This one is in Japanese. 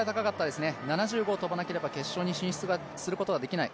７５を跳ばなければ決勝に進出することはできない。